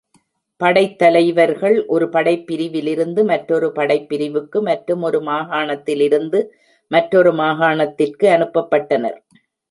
படைத்தலைவர்கள் ஒரு படைப்பிரிவிலிருந்து மற்றொரு படைப்பிரிவுக்கு மற்றும் ஒரு மாகாணத்திலிருந்து மற்றொரு மாகாணத்திற்கு அனுப்பப்பட்டனர்.